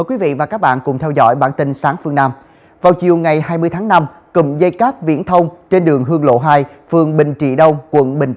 quý vị và các bạn đang theo dõi chương trình